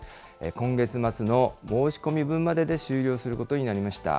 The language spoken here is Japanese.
今月末の申し込み分までで終了することになりました。